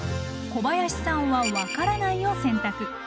小林さんは「わからない」を選択。